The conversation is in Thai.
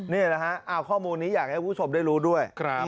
นี่แหละฮะข้อมูลนี้อยากให้คุณผู้ชมได้รู้ด้วย